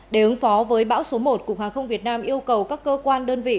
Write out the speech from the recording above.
để ứng phó với bão số một cục hàng không việt nam yêu cầu các cơ quan đơn vị